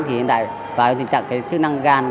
thì hiện tại chức năng gan